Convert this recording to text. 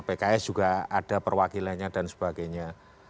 pks juga ada perwakilannya dan sebagainya